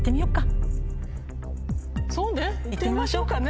そうね行ってみましょうかね。